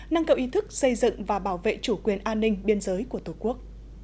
nâng cậu ý thức xây dựng và bảo vệ chủ quyền an ninh biên giới của tổ quốc